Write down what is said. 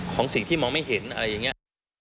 ของสิ่งที่มองไม่เห็นอะไรอย่างนี้